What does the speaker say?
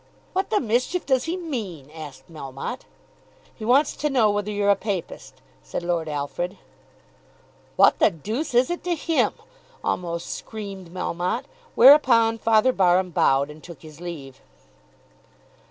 "What the mischief does he mean?" asked Melmotte. "He wants to know whether you're a papist," said Lord Alfred. "What the deuce is it to him?" almost screamed Melmotte; whereupon Father Barham bowed and took his leave.